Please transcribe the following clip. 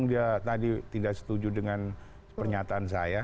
dia tadi tidak setuju dengan pernyataan saya